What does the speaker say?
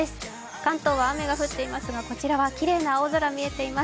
関東は雨が降っていますが、こちらはきれいな青空が見えています。